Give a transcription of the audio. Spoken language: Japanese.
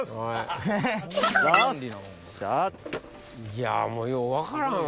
いやもうよう分からん。